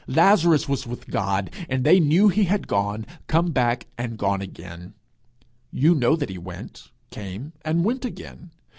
Lazarus was with God, and they knew he had gone, come back, and gone again. You know that he went, came, and went again.